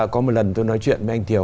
có một lần tôi nói chuyện với anh thiều